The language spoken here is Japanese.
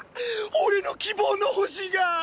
俺の希望の星があ！！